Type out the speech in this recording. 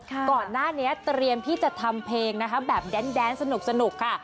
ก่อนหน้านี้เตรียมที่จะทำเพลงนะคะแบบแดนสนุกค่ะ